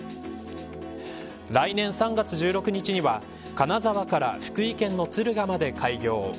来年３月１６日には金沢から福井県の敦賀まで開業。